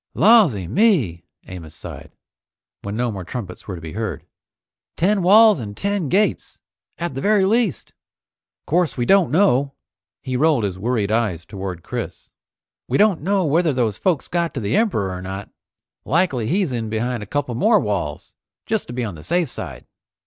"Lawsy me!" Amos sighed, when no more trumpets were to be heard. "Ten walls and ten gates at the very least! 'Course we don't know " He rolled his worried eyes toward Chris, "We don't know whether those folks got to the Emperor or not. Likely he's in behind a couple more walls, just to be on the safe side."